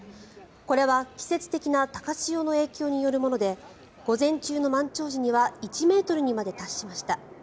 これは季節的な高潮の影響によるもので午前中の満潮時には１ｍにまで達しました。